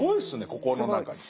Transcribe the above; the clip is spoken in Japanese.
ここの中に。